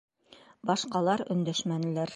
Башҡалар өндәшмәнеләр.